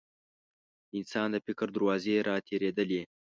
د انسان د فکر دروازې راتېرېدلې.